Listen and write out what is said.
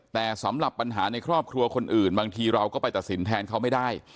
แต่สำหรับปัญหาในครอบครัวคนอื่นบางทีเราก็ไปตัดสินแทนเขาไม่ได้